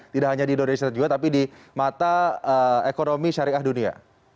tidak hanya di indonesia juga tapi di mata ekonomi syariah dunia